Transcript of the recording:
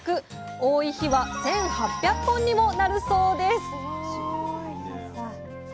多い日は１，８００本にもなるそうです